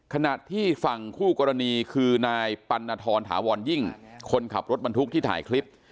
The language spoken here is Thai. ขณะที่ฝั่งคู่กรณีคือนายปัณฑรถาวรยิ่งคนขับรถบรรทุกที่ถ่ายคลิป